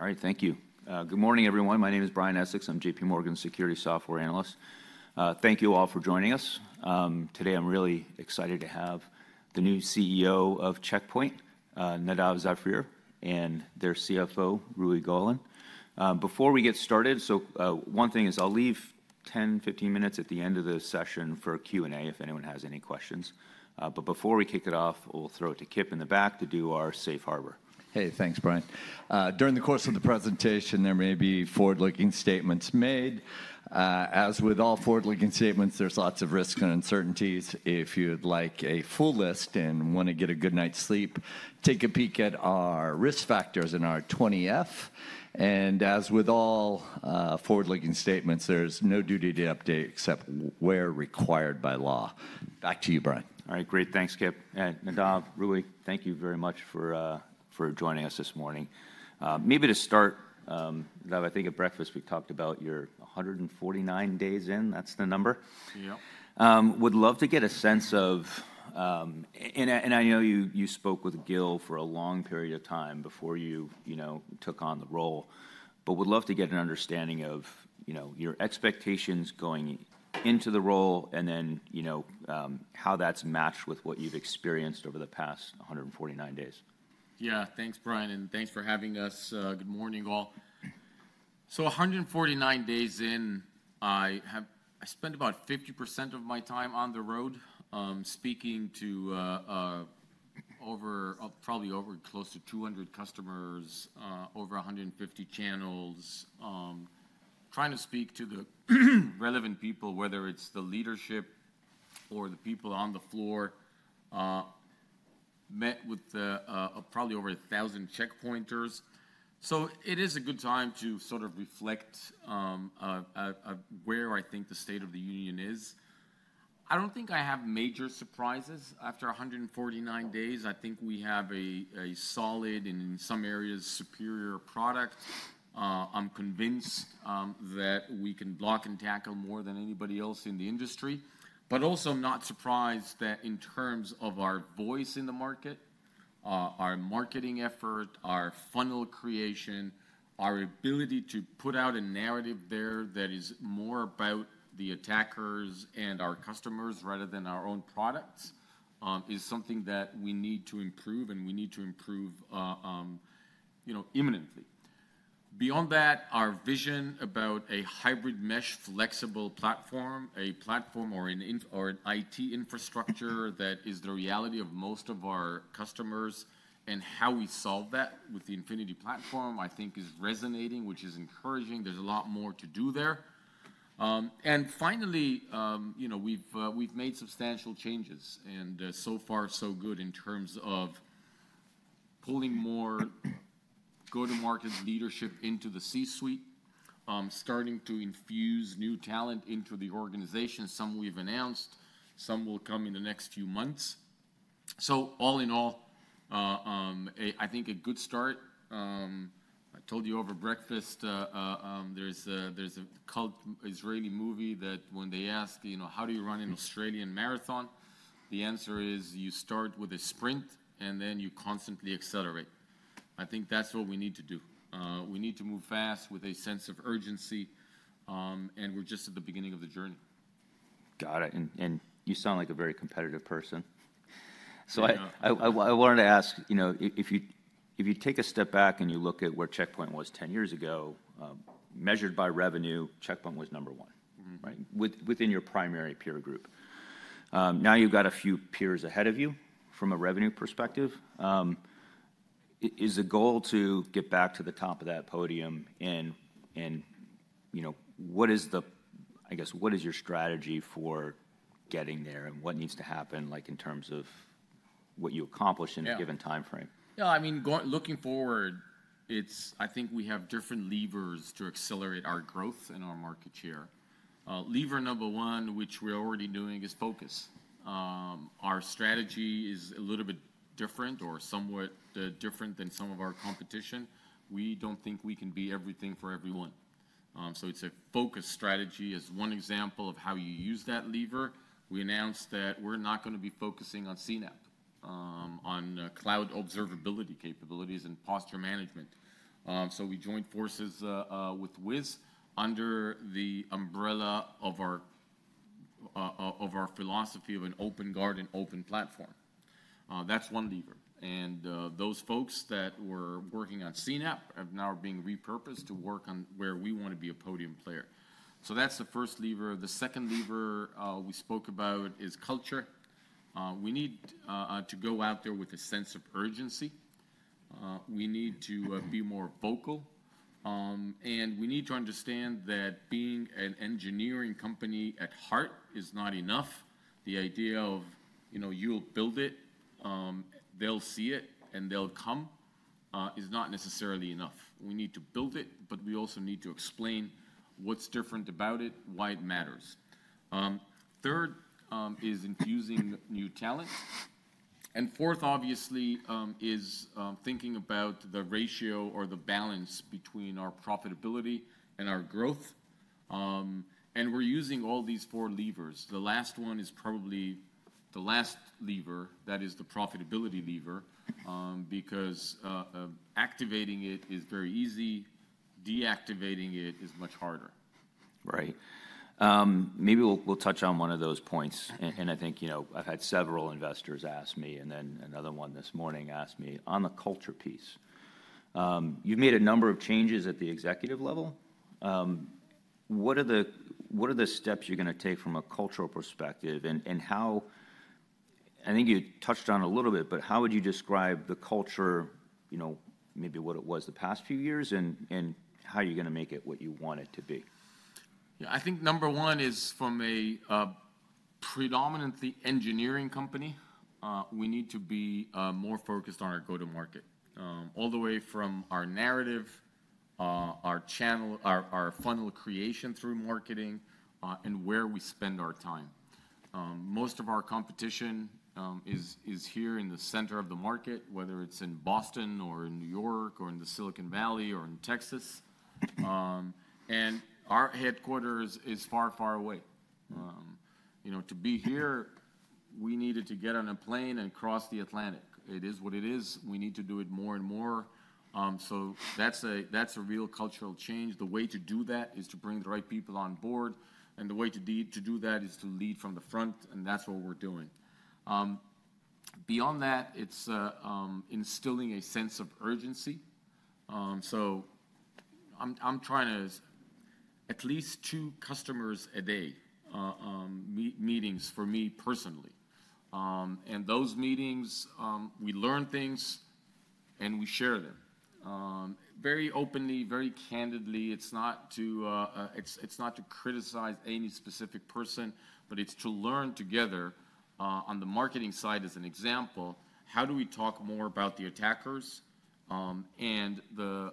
All right, thank you. Good morning, everyone. My name is Brian Essex. I'm JP Morgan's Security Software Analyst. Thank you all for joining us. Today, I'm really excited to have the new CEO of Check Point, Nadav Zafrir, and their CFO, Roei Golan. Before we get started, one thing is I'll leave 10-15 minutes at the end of the session for Q&A if anyone has any questions. Before we kick it off, we'll throw it to Kip in the back to do our safe harbor. Hey, thanks, Brian. During the course of the presentation, there may be forward-looking statements made. As with all forward-looking statements, there's lots of risks and uncertainties. If you'd like a full list and want to get a good night's sleep, take a peek at our risk factors in our 20-F. As with all forward-looking statements, there's no duty to update except where required by law. Back to you, Brian. All right, great. Thanks, Kip. And Nadav, Roei, thank you very much for joining us this morning. Maybe to start, Nadav, I think at breakfast we talked about you're 149 days in. That's the number. Yeah. Would love to get a sense of, and I know you spoke with Gil for a long period of time before you took on the role, but would love to get an understanding of your expectations going into the role and then how that's matched with what you've experienced over the past 149 days. Yeah, thanks, Brian, and thanks for having us. Good morning, all. 149 days in, I spent about 50% of my time on the road speaking to probably close to 200 customers, over 150 channels, trying to speak to the relevant people, whether it's the leadership or the people on the floor. Met with probably over 1,000 check pointers. It is a good time to sort of reflect where I think the state of the union is. I don't think I have major surprises. After 149 days, I think we have a solid and, in some areas, superior product. I'm convinced that we can block and tackle more than anybody else in the industry. I am not surprised that in terms of our voice in the market, our marketing effort, our funnel creation, our ability to put out a narrative there that is more about the attackers and our customers rather than our own products is something that we need to improve, and we need to improve imminently. Beyond that, our vision about a hybrid mesh flexible platform, a platform or an IT infrastructure that is the reality of most of our customers, and how we solve that with the Infinity platform, I think is resonating, which is encouraging. There is a lot more to do there. Finally, we have made substantial changes, and so far, so good in terms of pulling more go-to-market leadership into the C-suite, starting to infuse new talent into the organization. Some we have announced. Some will come in the next few months. All in all, I think a good start. I told you over breakfast there's a cut Israeli movie that when they ask, how do you run an Australian marathon? The answer is you start with a sprint and then you constantly accelerate. I think that's what we need to do. We need to move fast with a sense of urgency, and we're just at the beginning of the journey. Got it. You sound like a very competitive person. I wanted to ask, if you take a step back and you look at where Check Point was 10 years ago, measured by revenue, Check Point was number one, right, within your primary peer group. Now you have a few peers ahead of you from a revenue perspective. Is the goal to get back to the top of that podium? What is the, I guess, what is your strategy for getting there and what needs to happen in terms of what you accomplish in a given time frame? Yeah, I mean, looking forward, I think we have different levers to accelerate our growth and our market share. Lever number one, which we're already doing, is focus. Our strategy is a little bit different or somewhat different than some of our competition. We don't think we can be everything for everyone. It is a focus strategy as one example of how you use that lever. We announced that we're not going to be focusing on CNAP, on cloud observability capabilities and posture management. We joined forces with Wiz under the umbrella of our philosophy of an open guard and open platform. That's one lever. Those folks that were working on CNAP are now being repurposed to work on where we want to be a podium player. That's the first lever. The second lever we spoke about is culture. We need to go out there with a sense of urgency. We need to be more vocal. We need to understand that being an engineering company at heart is not enough. The idea of you'll build it, they'll see it, and they'll come is not necessarily enough. We need to build it, but we also need to explain what's different about it, why it matters. Third is infusing new talent. Fourth, obviously, is thinking about the ratio or the balance between our profitability and our growth. We're using all these four levers. The last one is probably the last lever, that is the profitability lever, because activating it is very easy. Deactivating it is much harder. Right. Maybe we'll touch on one of those points. I think I've had several investors ask me, and then another one this morning asked me on the culture piece. You've made a number of changes at the executive level. What are the steps you're going to take from a cultural perspective? I think you touched on it a little bit, but how would you describe the culture, maybe what it was the past few years, and how are you going to make it what you want it to be? Yeah, I think number one is from a predominantly engineering company, we need to be more focused on our go-to-market, all the way from our narrative, our funnel creation through marketing, and where we spend our time. Most of our competition is here in the center of the market, whether it's in Boston or in New York or in the Silicon Valley or in Texas. Our headquarters is far, far away. To be here, we needed to get on a plane and cross the Atlantic. It is what it is. We need to do it more and more. That is a real cultural change. The way to do that is to bring the right people on board. The way to do that is to lead from the front, and that's what we're doing. Beyond that, it's instilling a sense of urgency. I'm trying to at least two customers a day meetings for me personally. In those meetings, we learn things and we share them. Very openly, very candidly. It's not to criticize any specific person, but it's to learn together. On the marketing side as an example, how do we talk more about the attackers and the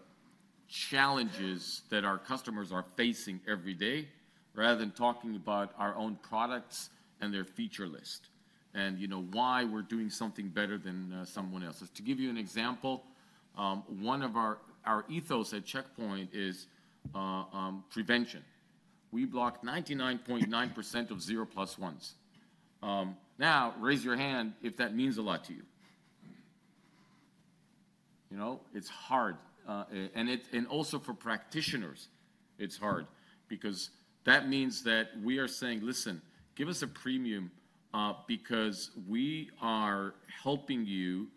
challenges that our customers are facing every day rather than talking about our own products and their feature list and why we're doing something better than someone else's. To give you an example, one of our ethos at Check Point is prevention. We block 99.9% of zero plus ones. Now, raise your hand if that means a lot to you. It's hard. Also for practitioners, it's hard because that means that we are saying, listen, give us a premium because we are helping you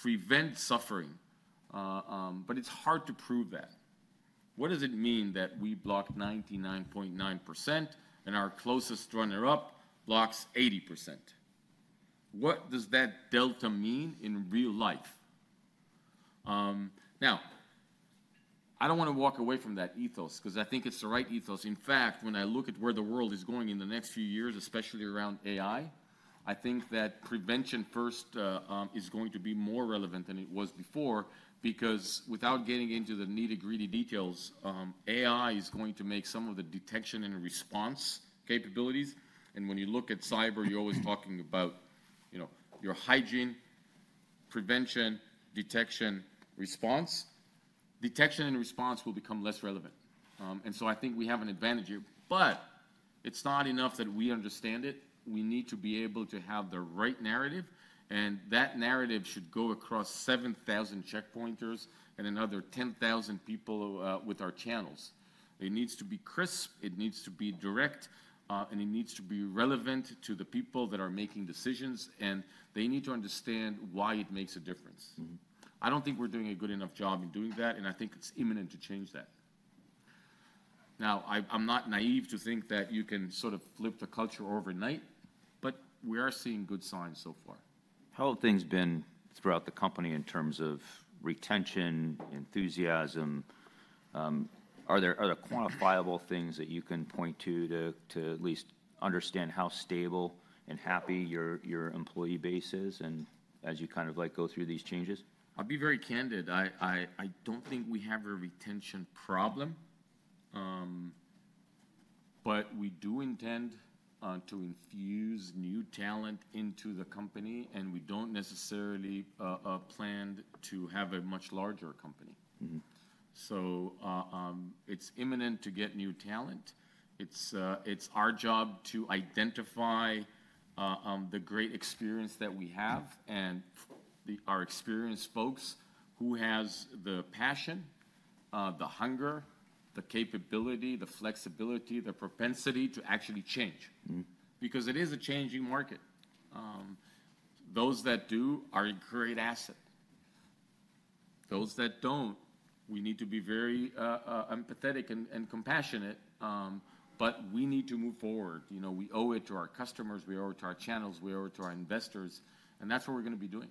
prevent suffering. It's hard to prove that. What does it mean that we block 99.9% and our closest runner-up blocks 80%? What does that delta mean in real life? Now, I do not want to walk away from that ethos because I think it is the right ethos. In fact, when I look at where the world is going in the next few years, especially around AI, I think that prevention first is going to be more relevant than it was before because without getting into the nitty-gritty details, AI is going to make some of the detection and response capabilities. When you look at cyber, you are always talking about your hygiene, prevention, detection, response. Detection and response will become less relevant. I think we have an advantage here. It is not enough that we understand it. We need to be able to have the right narrative. That narrative should go across 7,000 check pointers and another 10,000 people with our channels. It needs to be crisp. It needs to be direct. It needs to be relevant to the people that are making decisions. They need to understand why it makes a difference. I do not think we are doing a good enough job in doing that. I think it is imminent to change that. Now, I am not naive to think that you can sort of flip the culture overnight, but we are seeing good signs so far. How have things been throughout the company in terms of retention, enthusiasm? Are there quantifiable things that you can point to to at least understand how stable and happy your employee base is as you kind of go through these changes? I'll be very candid. I don't think we have a retention problem. We do intend to infuse new talent into the company. We don't necessarily plan to have a much larger company. It is imminent to get new talent. It is our job to identify the great experience that we have and our experienced folks who have the passion, the hunger, the capability, the flexibility, the propensity to actually change because it is a changing market. Those that do are a great asset. Those that don't, we need to be very empathetic and compassionate. We need to move forward. We owe it to our customers. We owe it to our channels. We owe it to our investors. That is what we are going to be doing.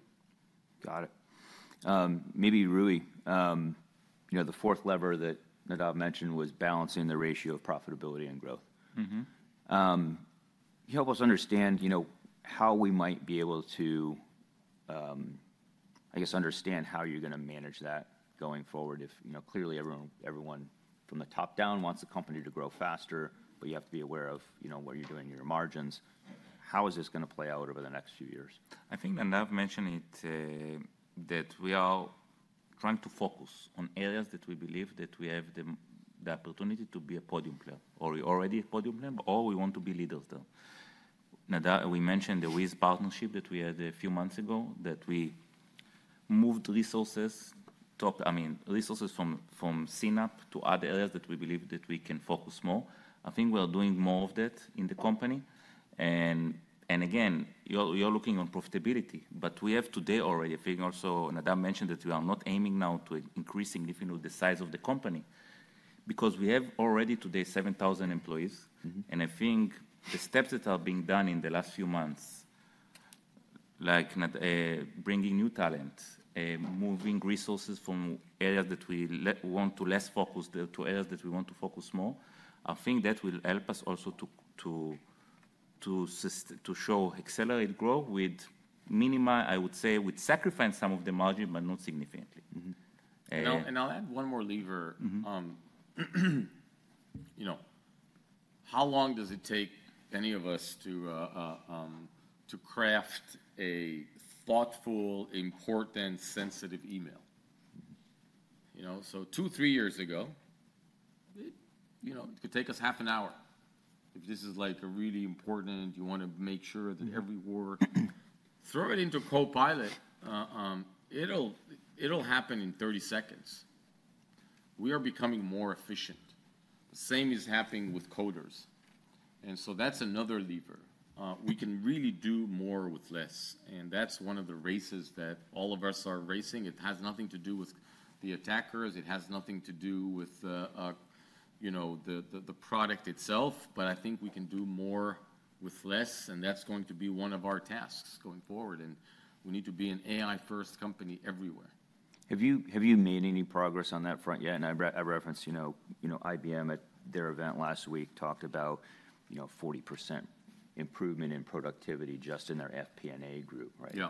Got it. Maybe really the fourth lever that Nadav mentioned was balancing the ratio of profitability and growth. Can you help us understand how we might be able to, I guess, understand how you're going to manage that going forward? Clearly, everyone from the top down wants the company to grow faster, but you have to be aware of what you're doing in your margins. How is this going to play out over the next few years? I think Nadav mentioned it, that we are trying to focus on areas that we believe that we have the opportunity to be a podium player or we're already a podium player, or we want to be leaders there. We mentioned the Wiz partnership that we had a few months ago that we moved resources, I mean, resources from CNAP to other areas that we believe that we can focus more. I think we're doing more of that in the company. You are looking on profitability. We have today already, I think also Nadav mentioned that we are not aiming now to increase significantly the size of the company because we have already today 7,000 employees. I think the steps that are being done in the last few months, like bringing new talent, moving resources from areas that we want to less focus to areas that we want to focus more, I think that will help us also to show accelerate growth with minimal, I would say, with sacrificing some of the margin, but not significantly. I will add one more lever. How long does it take any of us to craft a thoughtful, important, sensitive email? Two, three years ago, it could take us half an hour. If this is like a really important, you want to make sure that every word, throw it into copilot. It will happen in 30 seconds. We are becoming more efficient. The same is happening with coders. That is another lever. We can really do more with less. That is one of the races that all of us are racing. It has nothing to do with the attackers. It has nothing to do with the product itself. I think we can do more with less. That is going to be one of our tasks going forward. We need to be an AI-first company everywhere. Have you made any progress on that front yet? I referenced IBM at their event last week, talked about 40% improvement in productivity just in their FP&A group, right? Yeah.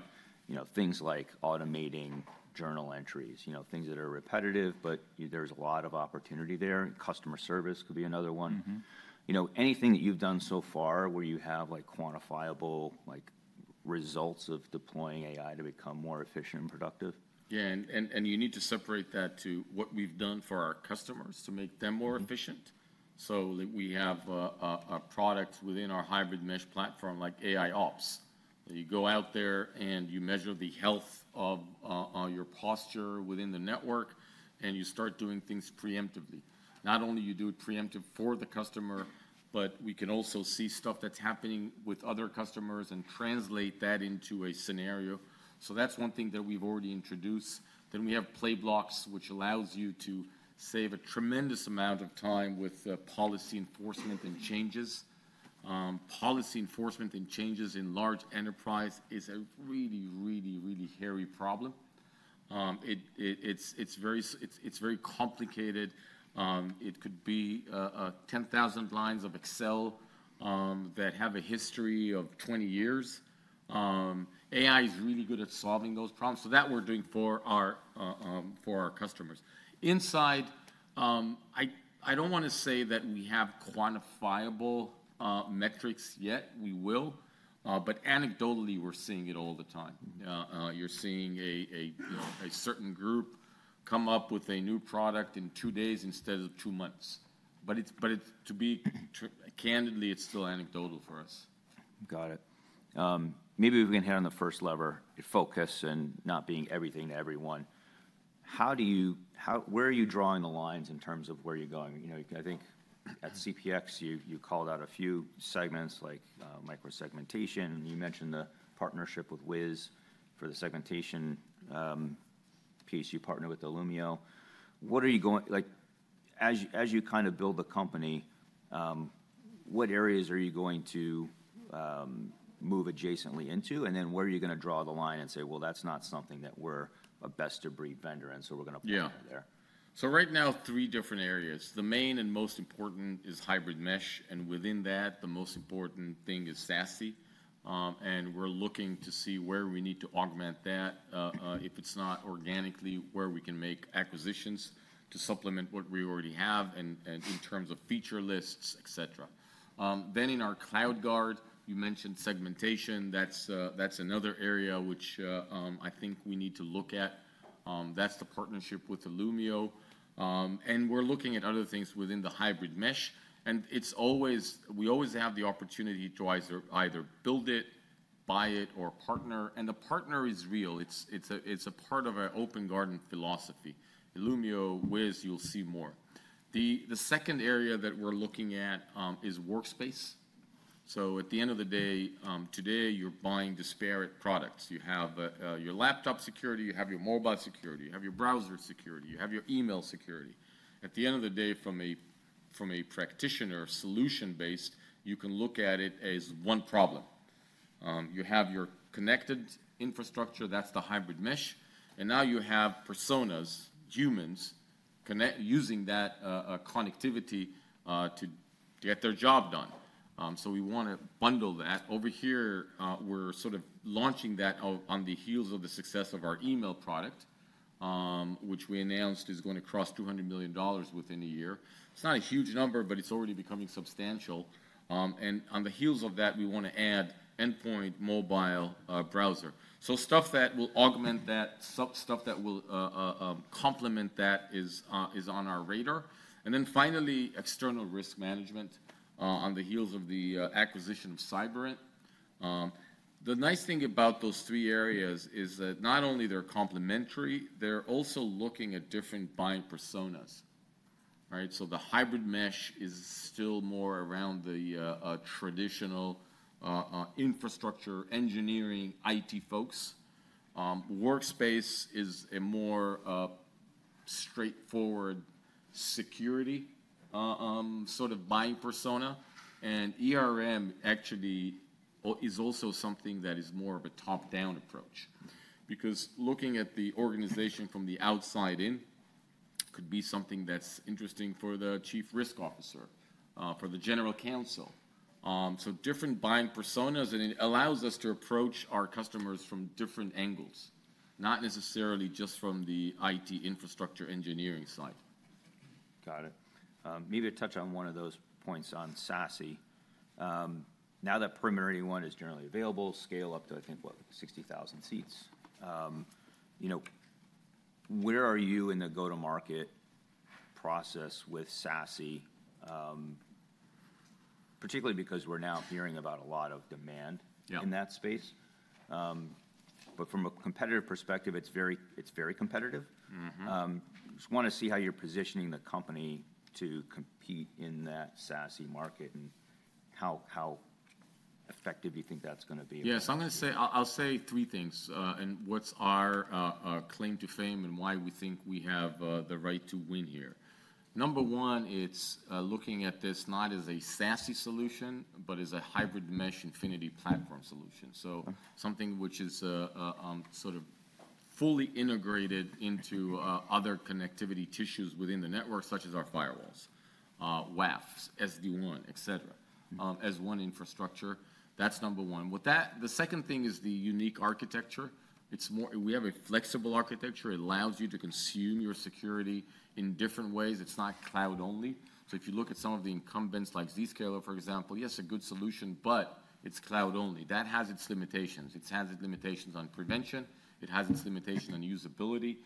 Things like automating journal entries, things that are repetitive, but there's a lot of opportunity there. Customer service could be another one. Anything that you've done so far where you have quantifiable results of deploying AI to become more efficient and productive? Yeah. You need to separate that to what we've done for our customers to make them more efficient. We have a product within our hybrid mesh platform like AI Ops. You go out there and you measure the health of your posture within the network, and you start doing things preemptively. Not only do you do it preemptive for the customer, but we can also see stuff that's happening with other customers and translate that into a scenario. That's one thing that we've already introduced. We have Playblocks, which allows you to save a tremendous amount of time with policy enforcement and changes. Policy enforcement and changes in large enterprise is a really, really, really hairy problem. It's very complicated. It could be 10,000 lines of Excel that have a history of 20 years. AI is really good at solving those problems. That we are doing for our customers. Inside, I do not want to say that we have quantifiable metrics yet. We will. Anecdotally, we are seeing it all the time. You are seeing a certain group come up with a new product in two days instead of two months. To be candidly, it is still anecdotal for us. Got it. Maybe we can hit on the first lever, focus and not being everything to everyone. Where are you drawing the lines in terms of where you're going? I think at CPX, you called out a few segments like micro-segmentation. You mentioned the partnership with Wiz for the segmentation piece. You partnered with Illumio. As you kind of build the company, what areas are you going to move adjacently into? And then where are you going to draw the line and say, well, that's not something that we're a best-of-breed vendor, and so we're going to put it there. Yeah. Right now, three different areas. The main and most important is hybrid mesh. Within that, the most important thing is SASE. We're looking to see where we need to augment that. If it's not organically, where we can make acquisitions to supplement what we already have in terms of feature lists, et cetera. In our CloudGuard, you mentioned segmentation. That's another area which I think we need to look at. That's the partnership with Illumio. We're looking at other things within the hybrid mesh. We always have the opportunity to either build it, buy it, or partner. The partner is real. It's a part of our open garden philosophy. Illumio, Wiz, you'll see more. The second area that we're looking at is workspace. At the end of the day, today, you're buying disparate products. You have your laptop security. You have your mobile security. You have your browser security. You have your email security. At the end of the day, from a practitioner solution based, you can look at it as one problem. You have your connected infrastructure. That is the hybrid mesh. Now you have personas, humans, using that connectivity to get their job done. We want to bundle that. Over here, we are sort of launching that on the heels of the success of our email product, which we announced is going to cross $200 million within a year. It is not a huge number, but it is already becoming substantial. On the heels of that, we want to add endpoint, mobile, browser. Stuff that will augment that, stuff that will complement that is on our radar. Finally, external risk management on the heels of the acquisition of Cyberint. The nice thing about those three areas is that not only they're complementary, they're also looking at different buying personas. The hybrid mesh is still more around the traditional infrastructure engineering IT folks. Workspace is a more straightforward security sort of buying persona. Actually, it is also something that is more of a top-down approach because looking at the organization from the outside in could be something that's interesting for the Chief Risk Officer, for the General Counsel. Different buying personas. It allows us to approach our customers from different angles, not necessarily just from the IT infrastructure engineering side. Got it. Maybe a touch on one of those points on SASE. Now that preliminary one is generally available, scale up to, I think, what, 60,000 seats. Where are you in the go-to-market process with SASE, particularly because we are now hearing about a lot of demand in that space? Yeah. From a competitive perspective, it's very competitive. Just want to see how you're positioning the company to compete in that SASE market and how effective you think that's going to be. Yes. I'll say three things and what's our claim to fame and why we think we have the right to win here. Number one, it's looking at this not as a SASE solution, but as a hybrid mesh Infinity Platform solution. So something which is sort of fully integrated into other connectivity tissues within the network, such as our firewalls, WAFs, SD-WAN, et cetera, as one infrastructure. That's number one. The second thing is the unique architecture. We have a flexible architecture. It allows you to consume your security in different ways. It's not cloud-only. If you look at some of the incumbents like Zscaler, for example, yes, a good solution, but it's cloud-only. That has its limitations. It has its limitations on prevention. It has its limitation on usability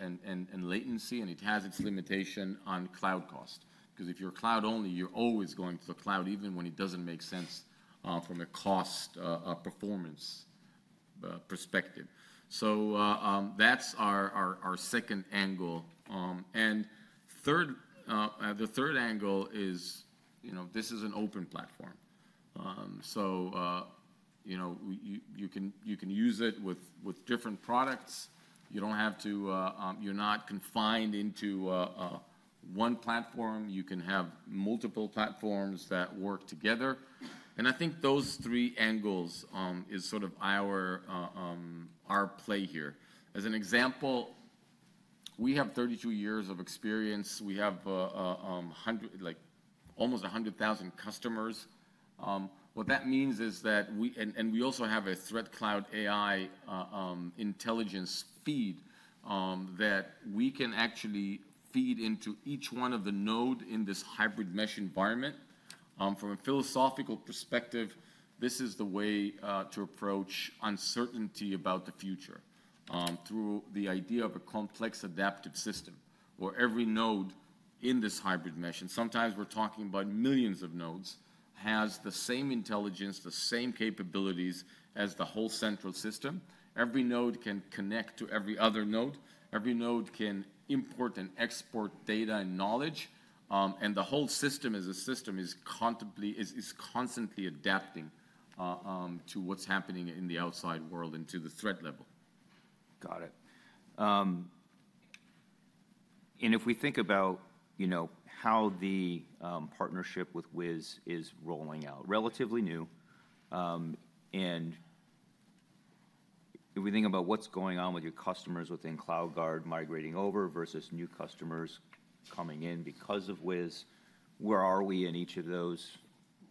and latency. It has its limitation on cloud cost because if you're cloud-only, you're always going to the cloud even when it doesn't make sense from a cost performance perspective. That is our second angle. The third angle is this is an open platform. You can use it with different products. You're not confined into one platform. You can have multiple platforms that work together. I think those three angles is sort of our play here. As an example, we have 32 years of experience. We have almost 100,000 customers. What that means is that we also have a ThreatCloud AI intelligence feed that we can actually feed into each one of the nodes in this hybrid mesh environment. From a philosophical perspective, this is the way to approach uncertainty about the future through the idea of a complex adaptive system where every node in this hybrid mesh, and sometimes we're talking about millions of nodes, has the same intelligence, the same capabilities as the whole central system. Every node can connect to every other node. Every node can import and export data and knowledge. The whole system as a system is constantly adapting to what's happening in the outside world and to the threat level. Got it. If we think about how the partnership with Wiz is rolling out, relatively new, and if we think about what is going on with your customers within CloudGuard migrating over versus new customers coming in because of Wiz, where are we in each of those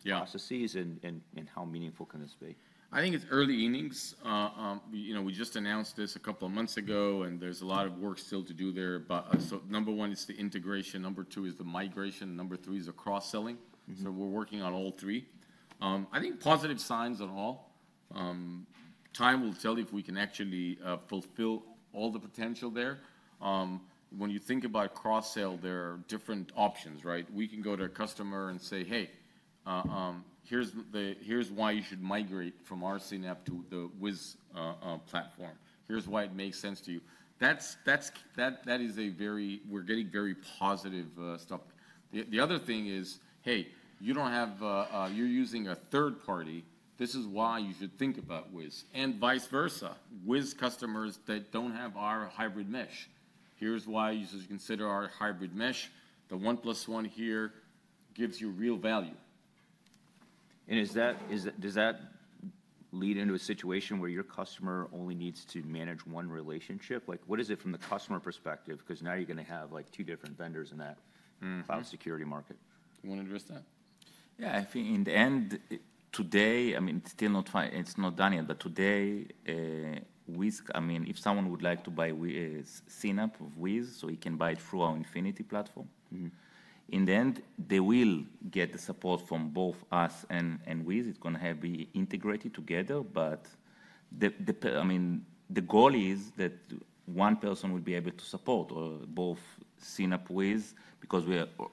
processes and how meaningful can this be? I think it's early innings. We just announced this a couple of months ago, and there's a lot of work still to do there. Number one, it's the integration. Number two is the migration. Number three is the cross-selling. We're working on all three. I think positive signs are all. Time will tell if we can actually fulfill all the potential there. When you think about cross-sell, there are different options, right? We can go to a customer and say, "Hey, here's why you should migrate from our CNAP to the Wiz platform. Here's why it makes sense to you." That is a very, we're getting very positive stuff. The other thing is, "Hey, you're using a third party. This is why you should think about Wiz." And vice versa, Wiz customers that don't have our hybrid mesh, here's why you should consider our hybrid mesh. The one-plus-one here gives you real value. Does that lead into a situation where your customer only needs to manage one relationship? What is it from the customer perspective? Because now you're going to have two different vendors in that cloud security market. You want to address that? Yeah. In the end, today, I mean, it's not done yet. But today, Wiz, I mean, if someone would like to buy CNAP of Wiz, so he can buy it through our Infinity Platform. In the end, they will get the support from both us and Wiz. It's going to be integrated together. I mean, the goal is that one person would be able to support both CNAP and Wiz because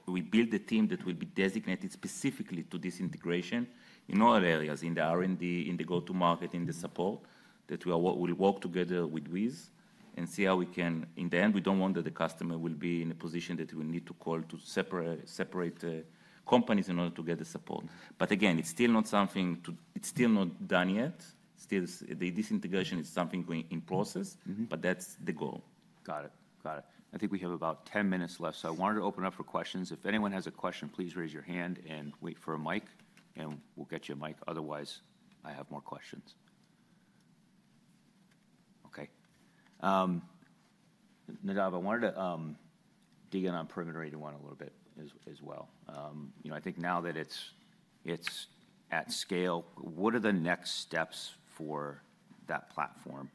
we built a team that will be designated specifically to this integration in all areas, in the R&D, in the go-to-market, in the support, that we will work together with Wiz and see how we can. In the end, we don't want the customer to be in a position that we need to call two separate companies in order to get the support. Again, it's still not something to it's still not done yet. The disintegration is something in process, but that's the goal. Got it. Got it. I think we have about 10 minutes left. I wanted to open up for questions. If anyone has a question, please raise your hand and wait for a mic, and we will get you a mic. Otherwise, I have more questions. Okay. Nadav, I wanted to dig in on preliminary one a little bit as well. I think now that it is at scale, what are the next steps for that platform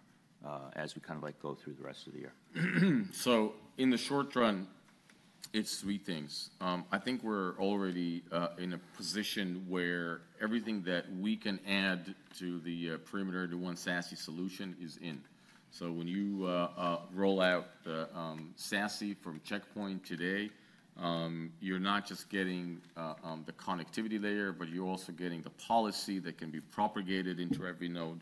as we kind of go through the rest of the year? In the short run, it is three things. I think we are already in a position where everything that we can add to the preliminary one SASE solution is in. When you roll out SASE from Check Point today, you are not just getting the connectivity layer, but you are also getting the policy that can be propagated into every node.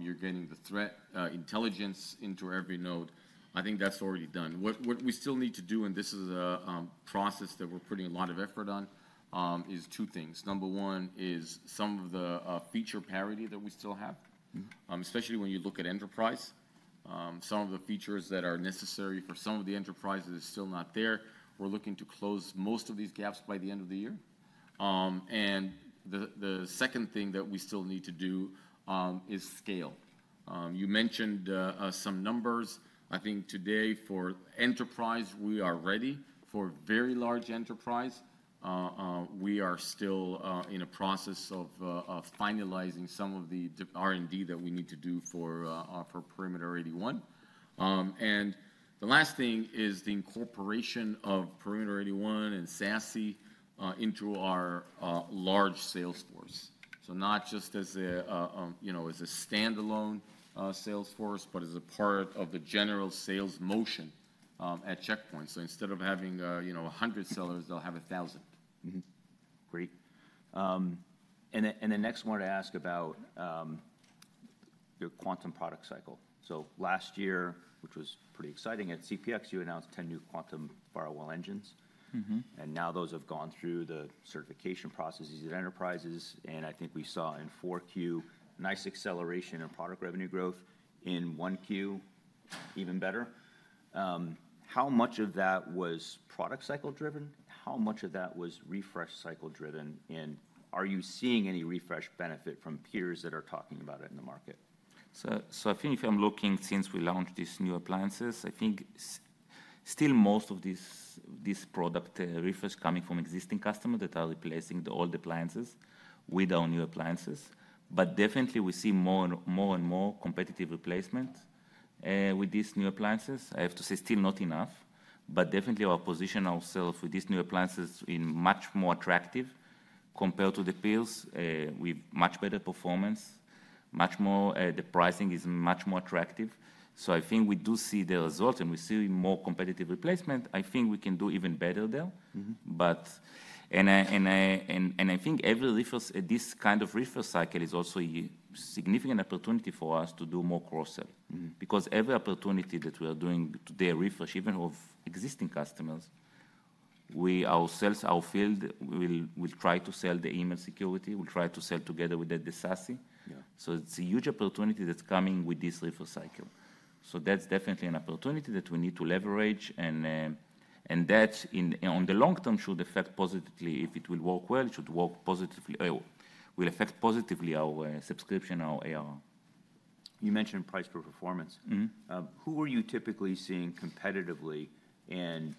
You're getting the threat intelligence into every node. I think that's already done. What we still need to do, and this is a process that we're putting a lot of effort on, is two things. Number one is some of the feature parity that we still have, especially when you look at enterprise. Some of the features that are necessary for some of the enterprises are still not there. We're looking to close most of these gaps by the end of the year. The second thing that we still need to do is scale. You mentioned some numbers. I think today for enterprise, we are ready. For very large enterprise, we are still in a process of finalizing some of the R&D that we need to do for preliminary one. The last thing is the incorporation of preliminary one and SASE into our large sales force. Not just as a standalone sales force, but as a part of the general sales motion at Check Point. Instead of having 100 sellers, they'll have 1,000. Great. The next one to ask about your Quantum product cycle. Last year, which was pretty exciting, at CPX, you announced 10 new Quantum firewall engines. Now those have gone through the certification processes at enterprises. I think we saw in 4Q nice acceleration in product revenue growth. In 1Q, even better. How much of that was product cycle driven? How much of that was refresh cycle driven? Are you seeing any refresh benefit from peers that are talking about it in the market? I think if I'm looking since we launched these new appliances, I think still most of this product refresh is coming from existing customers that are replacing all the appliances with our new appliances. Definitely, we see more and more competitive replacement with these new appliances. I have to say still not enough. Definitely, our position ourselves with these new appliances is much more attractive compared to the peers with much better performance. The pricing is much more attractive. I think we do see the results, and we see more competitive replacement. I think we can do even better there. I think every refresh, this kind of refresh cycle, is also a significant opportunity for us to do more cross-sell because every opportunity that we are doing today, refresh even of existing customers, ourselves, our field, we'll try to sell the email security. We'll try to sell together with the SASE. It's a huge opportunity that's coming with this refresh cycle. That's definitely an opportunity that we need to leverage. That on the long term should affect positively. If it will work well, it should work positively. It will affect positively our subscription, our AR. You mentioned price per performance. Who are you typically seeing competitively? And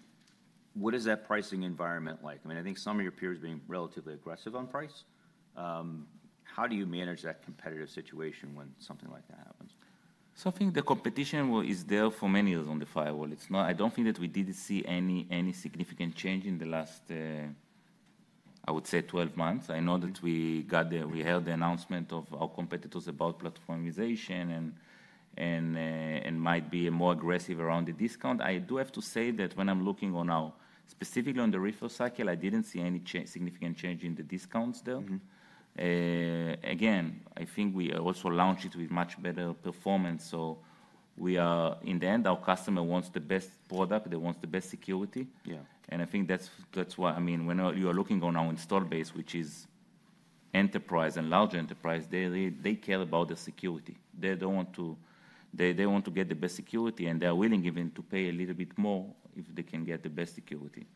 what is that pricing environment like? I mean, I think some of your peers being relatively aggressive on price. How do you manage that competitive situation when something like that happens? I think the competition is there for many of us on the firewall. I don't think that we did see any significant change in the last, I would say, 12 months. I know that we held the announcement of our competitors about platformization and might be more aggressive around the discount. I do have to say that when I'm looking on our specifically on the refresh cycle, I didn't see any significant change in the discounts there. Again, I think we also launched it with much better performance. In the end, our customer wants the best product. They want the best security. I think that's why, I mean, when you are looking on our install base, which is enterprise and large enterprise, they care about the security. They want to get the best security, and they're willing even to pay a little bit more if they can get the best security.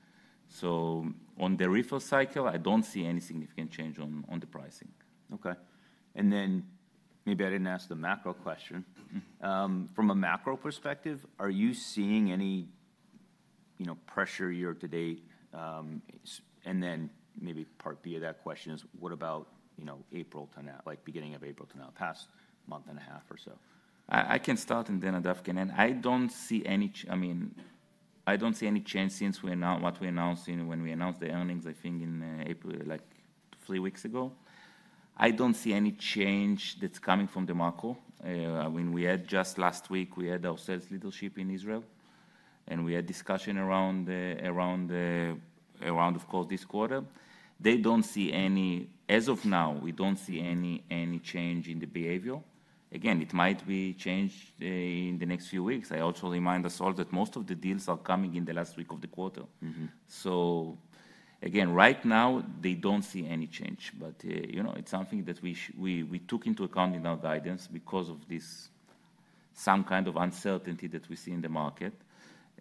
On the refresh cycle, I don't see any significant change on the pricing. Okay. Maybe I did not ask the macro question. From a macro perspective, are you seeing any pressure year-to-date? Maybe part B of that question is, what about beginning of April to now, past month and a half or so? I can start, and then Nadav can end. I do not see any change since what we announced when we announced the earnings, I think, three weeks ago. I do not see any change that is coming from the macro. I mean, just last week, we had our sales leadership in Israel, and we had discussion around, of course, this quarter. They do not see any as of now, we do not see any change in the behavior. Again, it might be changed in the next few weeks. I also remind us all that most of the deals are coming in the last week of the quarter. Again, right now, they do not see any change. It is something that we took into account in our guidance because of some kind of uncertainty that we see in the market.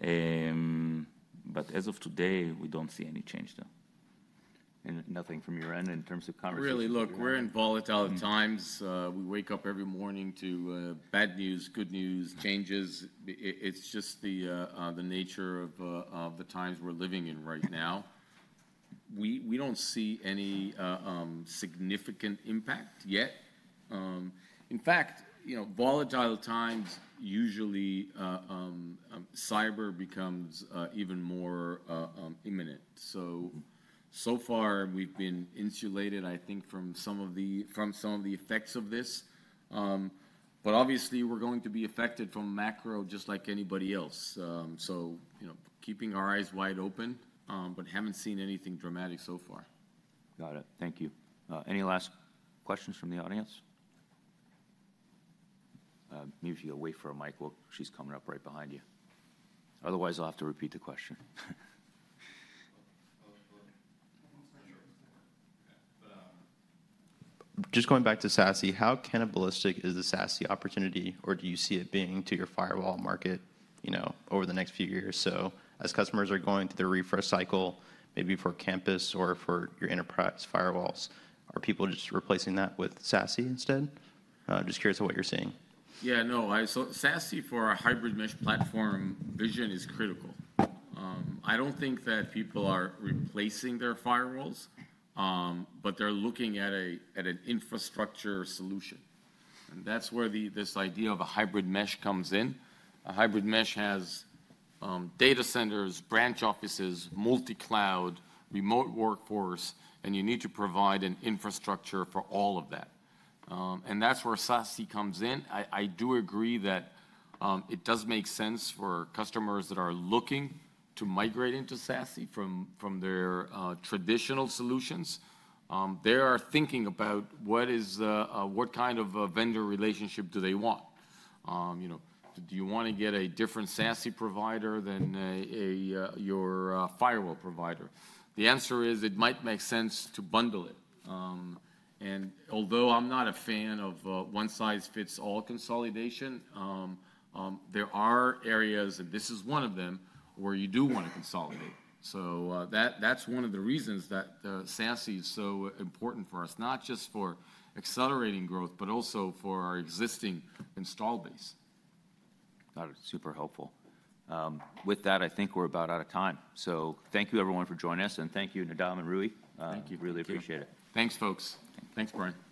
As of today, we do not see any change there. Nothing from your end in terms of conversation? Really, look, we're in volatile times. We wake up every morning to bad news, good news, changes. It's just the nature of the times we're living in right now. We don't see any significant impact yet. In fact, volatile times, usually cyber becomes even more imminent. So far, we've been insulated, I think, from some of the effects of this. Obviously, we're going to be affected from macro just like anybody else. Keeping our eyes wide open, but haven't seen anything dramatic so far. Got it. Thank you. Any last questions from the audience? Maybe if you'll wait for a mic. She's coming up right behind you. Otherwise, I'll have to repeat the question. Just going back to SASE, how cannibalistic is the SASE opportunity, or do you see it being to your firewall market over the next few years? As customers are going through the refresh cycle, maybe for campus or for your enterprise firewalls, are people just replacing that with SASE instead? I'm just curious of what you're seeing. Yeah, no. SASE for a hybrid mesh platform vision is critical. I do not think that people are replacing their firewalls, but they are looking at an infrastructure solution. That is where this idea of a hybrid mesh comes in. A hybrid mesh has data centers, branch offices, multi-cloud, remote workforce, and you need to provide an infrastructure for all of that. That is where SASE comes in. I do agree that it does make sense for customers that are looking to migrate into SASE from their traditional solutions. They are thinking about what kind of vendor relationship do they want. Do you want to get a different SASE provider than your firewall provider. The answer is it might make sense to bundle it. Although I am not a fan of one-size-fits-all consolidation, there are areas, and this is one of them, where you do want to consolidate. That's one of the reasons that SASE is so important for us, not just for accelerating growth, but also for our existing install base. That was super helpful. With that, I think we're about out of time. Thank you, everyone, for joining us. And thank you, Nadav and Roei. Thank you. Really appreciate it. Thanks, folks. Thanks, Brian. Thanks.